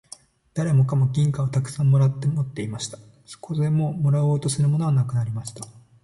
誰もかも金貨をたくさん貰って持っていました。そこでもう貰おうとするものはなくなりました。